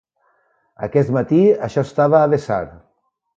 Aquest matí això estava a vessar.